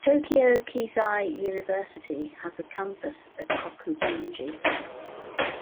Tokyo Keizai University has a campus at Kokubunji.